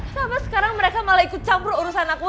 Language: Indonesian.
kenapa sekarang mereka malah ikut campur urusan aku